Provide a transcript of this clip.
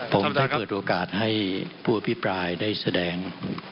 ผมได้เปิดโอกาสให้ผู้อภิปรายได้แสดง